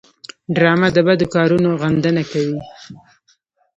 ډرامه د بدو کارونو غندنه کوي